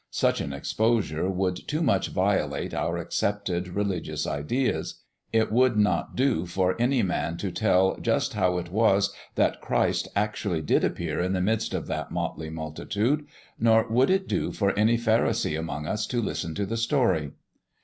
Such an exposure would too much violate our accepted religious ideas. It would not do for any man to tell just how it was that Christ actually did appear in the midst of that motley multitude; nor would it do for any pharisee among us to listen to the story.